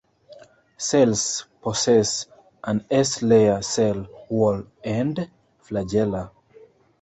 Cells possess an S-layer cell wall and flagella.